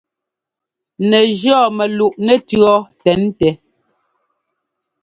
Nɛ jʉɔ́ mɛluꞋ nɛtʉ̈ɔ́ tɛn tɛ.